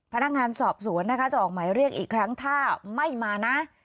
พนักงานสอบสวนนะคะจะออกหมายเรียกอีกครั้งถ้าไม่มานะ